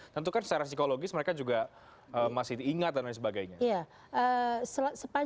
tentu kan secara psikologis mereka juga masih diingat dan lain sebagainya